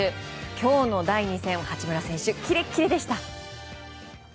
今日の第２戦、八村選手キレッキレでした！